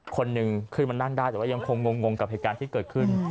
คนหนึ่งขึ้นมานั่งได้แต่ว่ายังคงงงกับเหตุการณ์ที่เกิดขึ้น